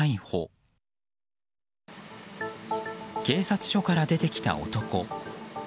警察署から出てきた男。